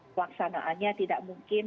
pelaksanaannya tidak mungkin